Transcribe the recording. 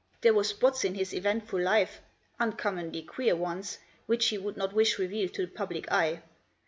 There were spots in his eventful life — uncommonly queer ones — which he would not wish revealed to the public eye.